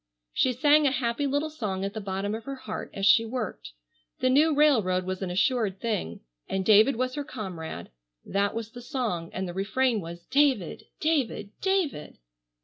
She sang a happy little song at the bottom of her heart as she worked. The new railroad was an assured thing, and David was her comrade, that was the song, and the refrain was, "David, David, David!"